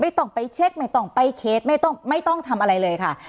ไม่ต้องไปเช็คไม่ต้องไปเคสไม่ต้องทำอะไรเลยค่ะ